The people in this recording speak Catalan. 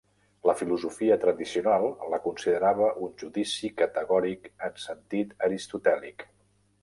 La filosofia tradicional la considerava un judici categòric en sentit aristotèlic.